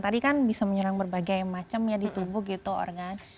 tadi kan bisa menyerang berbagai macam ya di tubuh gitu organ